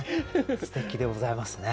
すてきでございますね。